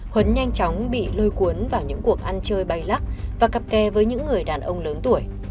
huấn nhanh chóng bị lôi cuốn vào những cuộc ăn chơi bay lắc và cặp kè với những người đàn ông lớn tuổi